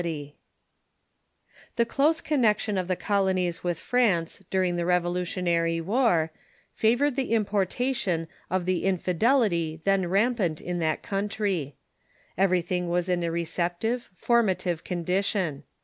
] The close connection of tlie colonies witli France during the Revolutionary War favored the importation of the infidel ity then rampant in that countr3^ Everything Avas in a receptive, formative condition.